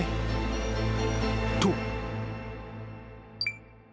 ［と］